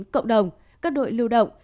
cộng đồng các đội lưu động